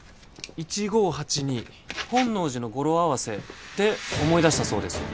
本能寺の語呂合わせで思い出したそうです